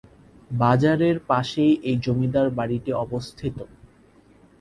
বাজারের পাশেই এই জমিদার বাড়িটি অবস্থিত।